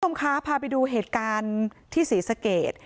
ท่องค้าพาไปดูเหตุการณ์ที่ศรีสะเกต